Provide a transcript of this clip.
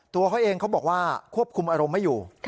ตัวเขาเองเขาบอกว่าควบคุมอารมณ์ไม่อยู่